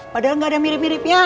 padahal gak ada yang mirip miripnya